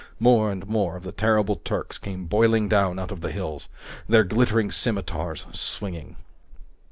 More and more of the terrible Turks came boiling down out of the hills, their glittering scimitars swinging.